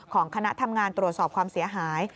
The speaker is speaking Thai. คณะทำงานตรวจสอบความเสียหาย